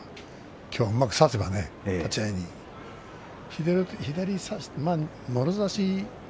きょううまく差せば立ち合いに左差してもろ差し。